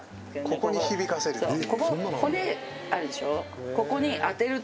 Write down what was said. ここに響かせるっていう。